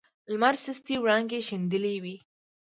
لمر سستې وړانګې شیندلې وې.